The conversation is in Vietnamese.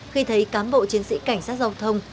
khi thấy cán bộ chiến sĩ cảnh sát giao thông